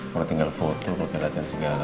kalau tinggal foto kalau latihan segala